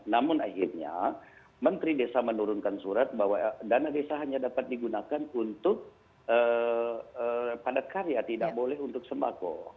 namun akhirnya menteri desa menurunkan surat bahwa dana desa hanya dapat digunakan untuk padat karya tidak boleh untuk sembako